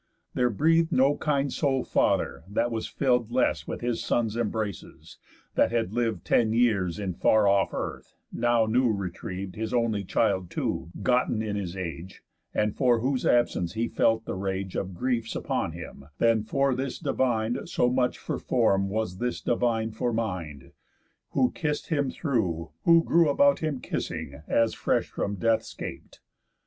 There breath'd no kind soul'd father that was fill'd Less with his son's embraces, that had liv'd Ten years in far off earth, now new retriev'd, His only child too, gotten in his age, And for whose absence he had felt the rage Of griefs upon him, than for this divin'd So much for form was this divine for mind; Who kiss'd him through, who grew about him kissing, As fresh from death 'scap'd.